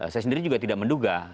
saya sendiri juga tidak menduga